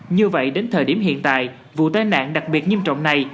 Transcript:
như vậy đến thời điểm hiện tại vụ tai nạn đặc biệt nghiêm trọng này